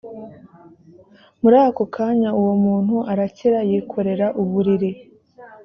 muri ako kanya uwo muntu arakira yikorera uburiri